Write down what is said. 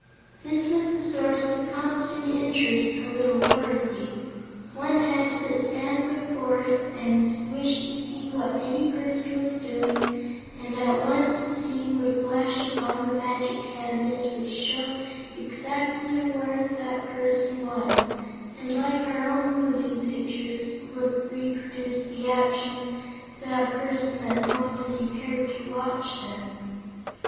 This was the source of constant interest to little Dorothy. One had but to stand before it and wish to see what any person was doing, and at once a scene would flash upon the magic canvas which showed exactly where that person was, and like our own moving pictures would reproduce the actions of that person as long as you cared to watch them.